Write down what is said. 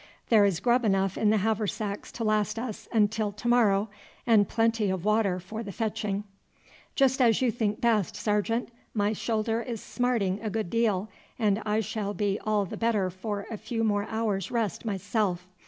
There is grub enough in the haversacks to last us until to morrow, and plenty of water for the fetching." "Just as you think best, sergeant. My shoulder is smarting a good deal, and I shall be all the better for a few more hours' rest myself.